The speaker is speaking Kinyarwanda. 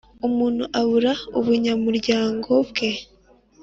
Umuntu abura ubunyamuryango bwe